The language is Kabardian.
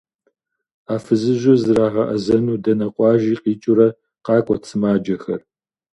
А фызыжьыр зрагъэӏэзэну дэнэ къуажи къикӏыурэ къакӏуэт сымаджэхэр.